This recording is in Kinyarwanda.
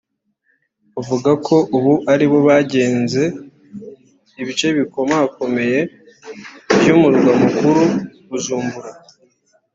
bavuga ko ubu ari bo bagenze ibice bikomakomeye vy'umurwa mukuru Bujumbura